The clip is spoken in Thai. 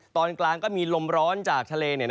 ตอนกลางก็มีลมร้อนจากทะเล